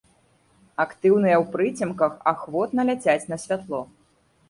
Актыўныя ў прыцемках, ахвотна ляцяць на святло.